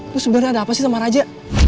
lu sebenernya ada apa sih sama raja